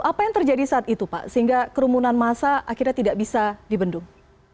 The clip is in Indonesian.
apa yang terjadi saat itu pak sehingga kerumunan masa akhirnya tidak bisa dibendung